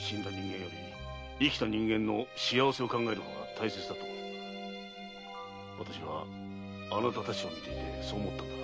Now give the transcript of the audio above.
死んだ人間より生きた人間の幸せを考えるほうが大切だと私はあなたたちを見ていてそう思ったんだ。